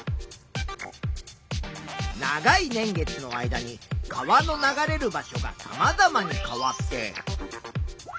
長い年月の間に川の流れる場所がさまざまに変わって。